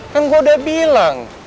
kan gue udah bilang